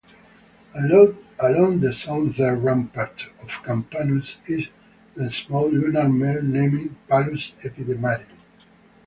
Along the southern rampart of Campanus is the small lunar mare named Palus Epidemiarum.